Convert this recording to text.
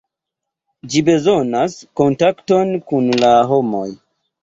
Ĝi bezonas kontakton kun la homoj.